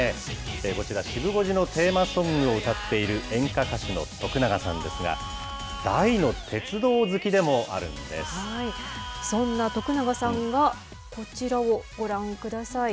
こちら、シブ５時のテーマソングを歌っている、演歌歌手の徳永さんですが、そんな徳永さんが、こちらをご覧ください。